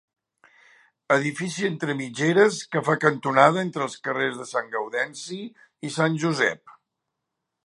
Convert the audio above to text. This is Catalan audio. Edifici entre mitgeres que fa cantonada entre els carrers de Sant Gaudenci i Sant Josep.